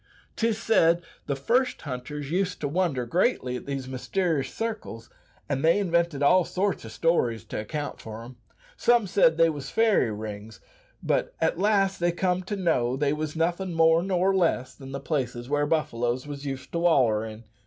Tis said the first hunters used to wonder greatly at these myster'ous circles, and they invented all sorts o' stories to account for 'em. Some said they wos fairy rings, but at last they comed to know they wos nothin' more nor less than places where buffaloes wos used to waller in.